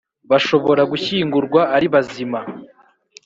bashobora gushyingurwa ari bazima,